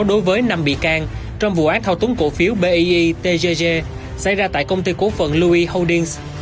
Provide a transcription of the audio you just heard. đối với năm bị can trong vụ án thao túng cổ phiếu bie tgg xảy ra tại công ty cố phận luis holdings